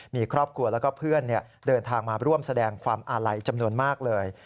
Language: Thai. มีครอบครัวแล้วก็เพื่อนเดินทางมาร่วมแสดงความอาลัยจำนวนมากเลย